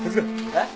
えっ？